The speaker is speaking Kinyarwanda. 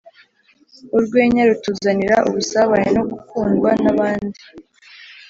Urwenya rutuzanira ubusabane no gukundwa n’abandi